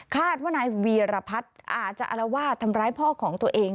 คาดว่านายวีรพัฒน์อาจจะอารวาสทำร้ายพ่อของตัวเอง